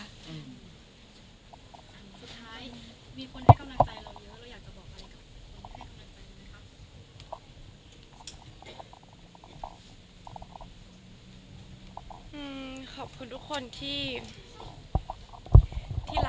สุดท้ายมีคนให้กำลังใจเราเยอะเราอยากจะบอกอะไรกับคนที่ให้กำลังใจไหมคะ